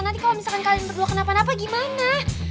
nanti kalau misalkan kalian berdua kenapa napa gimana